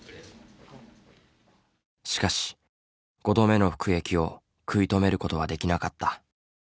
しかし５度目の服役を食い止めることはできなかった。